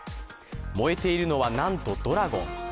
燃えているのは、なんとドラゴン。